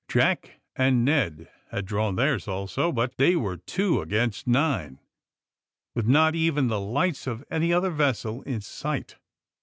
Jack and Ned had drawn theirs also, but they were two against nine, with not even the lights of any other vessel in sight.